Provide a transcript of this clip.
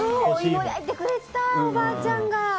おばあちゃんが。